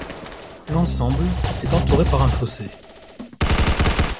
L'ensemble est entouré par un fossé.